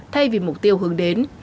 thay vì mục tiêu hướng đến